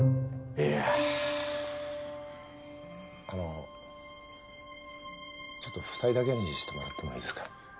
あのちょっと２人だけにしてもらってもいいですか？